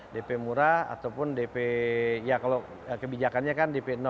dp murah ataupun dp ya kalau kebijakannya kan dp